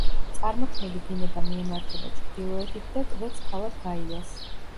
წარმოქმნილი დინება მიემართება ჩრდილოეთით და კვეთს ქალაქ გაიას.